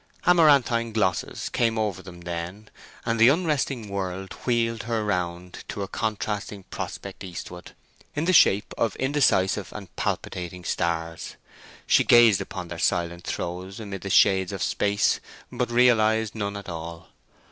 Amaranthine glosses came over them then, and the unresting world wheeled her round to a contrasting prospect eastward, in the shape of indecisive and palpitating stars. She gazed upon their silent throes amid the shades of space, but realised none at all.